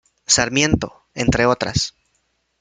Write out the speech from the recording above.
Sarmiento, entre otras.